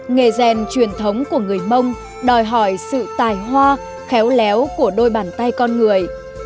nghề rèn truyền thống của người mông đòi hỏi sự tài hoa khéo léo của đôi bàn tay con người